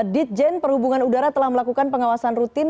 ditjen perhubungan udara telah melakukan pengawasan rutin